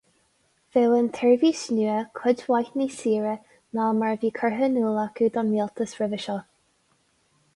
Bheadh an tseirbhís nua cuid mhaith níos saoire ná mar a bhí curtha in iúl acu don Rialtas roimhe seo.